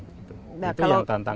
itu yang tantangan yang besar